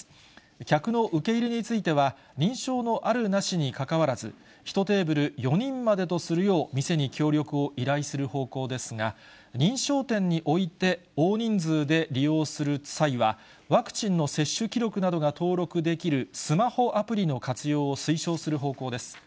客の受け入れについては、認証のあるなしにかかわらず、１テーブル４人までとするよう、店に協力を依頼する方向ですが、認証店において大人数で利用する際は、ワクチンの接種記録などが登録できるスマホアプリの活用を推奨する方向です。